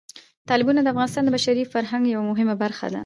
تالابونه د افغانستان د بشري فرهنګ یوه مهمه برخه ده.